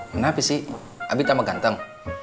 kenapa sih abi tambah ganteng